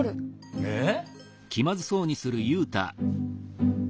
えっ？